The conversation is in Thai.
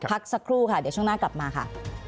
พักสักครู่ค่ะเดี๋ยวช่วงหน้ากลับมาค่ะ